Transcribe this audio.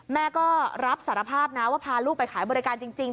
แม่ก็รับสารภาพนะว่าพาลูกไปขายบริการจริง